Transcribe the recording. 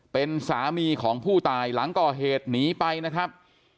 เป็นสามีของผู้ตายหลังก่อเหตุหนีไปนะครับ